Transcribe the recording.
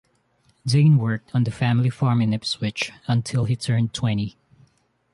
Dane worked on the family farm in Ipswich until he turned twenty.